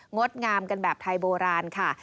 ดงามกันแบบไทยโบราณค่ะ